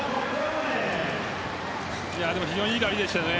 でも非常に良いラリーでしたよね。